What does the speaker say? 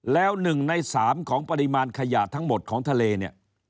แล้ว๑ใน๓ของปริมาณขยะทั้งหมดของทะเลเนี่ย